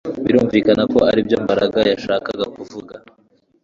Birumvikana ko aribyo Mbaraga yashakaga kuvuga